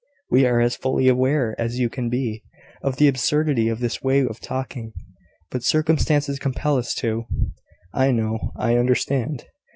We are as fully aware as you can be, of the absurdity of this way of talking: but circumstances compel us to " "I know, I understand.